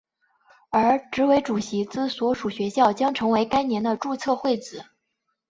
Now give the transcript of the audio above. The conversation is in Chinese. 而执委主席之所属学校将成为该年的注册会址。